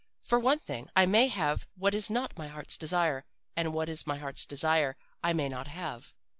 For one thing, I may have what is not my heart's desire, and what is my heart's desire I may not have.